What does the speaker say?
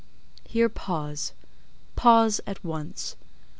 Here pause: pause at once.